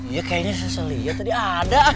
iya kayaknya selia selia tadi ada